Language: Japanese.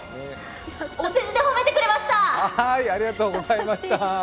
お世辞で褒めてくれました。